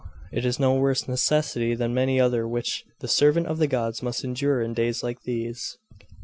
It is no worse necessity than many another which the servant of the gods must endure in days like these.